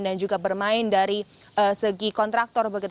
juga bermain dari segi kontraktor begitu